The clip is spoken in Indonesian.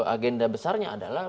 salah satu agenda besarnya adalah